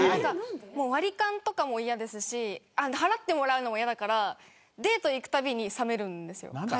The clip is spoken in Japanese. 割り勘とかも嫌ですし払ってもらうのも嫌だからデートに行くたびに冷めるんです。